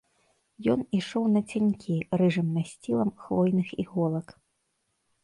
Ён ішоў нацянькі рыжым насцілам хвойных іголак.